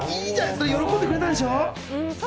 喜んでくれたでしょ？